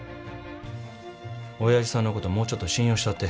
おやじさんのこともうちょっと信用したって。